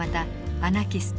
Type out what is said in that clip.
アナキスト